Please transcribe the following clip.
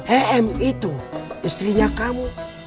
em itu istrinya kamu